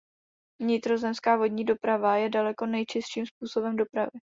Vnitrozemská vodní doprava je daleko nejčistším způsobem dopravy.